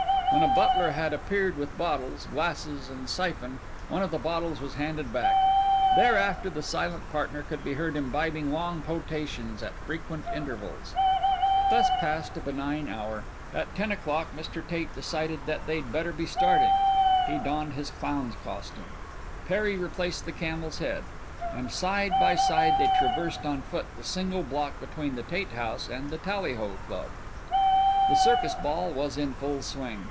When a butler had appeared with bottles, glasses, and siphon one of the bottles was handed back; thereafter the silent partner could be heard imbibing long potations at frequent intervals. Thus passed a benign hour. At ten o'clock Mr. Tate decided that they'd better be starting. He donned his clown's costume; Perry replaced the camel's head, and side by side they traversed on foot the single block between the Tate house and the Tallyho Club. The circus ball was in full swing.